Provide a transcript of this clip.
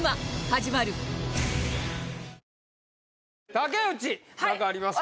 竹内なんかありますか？